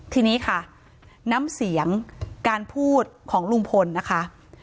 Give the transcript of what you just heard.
ทีนี้ค่ะน้ำเสียงการพูดของลุงพลนะคะ